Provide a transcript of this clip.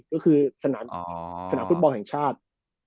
ก็คือสนามฟุตบอลแห่งชาติ